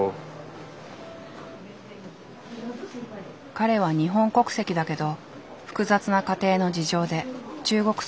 彼は日本国籍だけど複雑な家庭の事情で中国育ち。